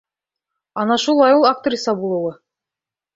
Ана шулай ул актриса булыуы!